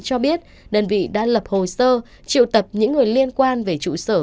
cho biết đơn vị đã lập hồ sơ triệu tập những người liên quan về trụ sở